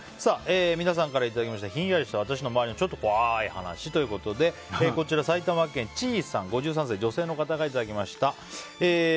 皆さんからいただいたヒンヤリした私や周りのちょっと怖い話ということでこちら埼玉県５３歳、女性の方からいただきました。